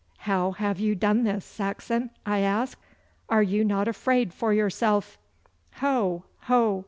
'How have you done this, Saxon?' I asked. 'Are you not afraid for yourself?' 'Ho, ho!